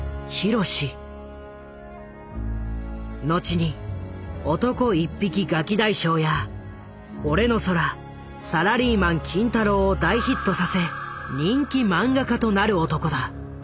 後に「男一匹ガキ大将」や「俺の空」「サラリーマン金太郎」を大ヒットさせ人気漫画家となる男だ。